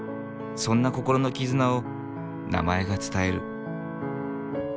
そんな心の絆を名前が伝える。